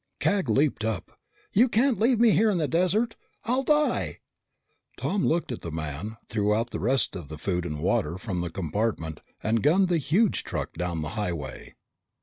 Cag leaped up. "You can't leave me here in the desert! I'll die." Tom looked at the man, threw out the rest of the food and water from the compartment, and gunned the huge truck down the highway.